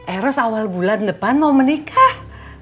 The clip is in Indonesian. eros awal bulan depan mau menikah